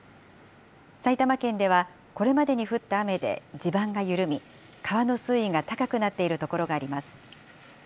埼玉県では、これまでに降った雨で地盤が緩み、川の水位が高くなっている所があります。